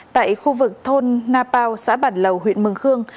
tại khu vực thôn napao xã bản lầu huyện mường khương